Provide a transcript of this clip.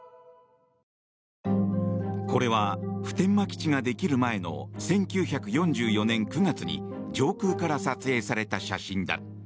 これは普天間基地ができる前の１９４４年９月に上空から撮影された写真だ。